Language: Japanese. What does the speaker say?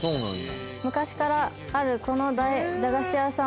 「昔からあるこの駄菓子屋さんは」